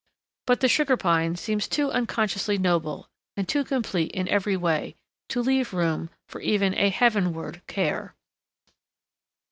But the Sugar Pine seems too unconsciously noble, and too complete in every way, to leave room for even a heavenward care.